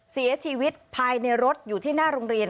เสียชีวิตภายในรถอยู่ที่หน้าโรงเรียน